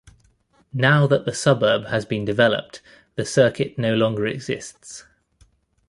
Now that the suburb has been developed the circuit no longer exists.